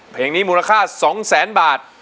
เพลงนี้มูลค่า๒แสนบาท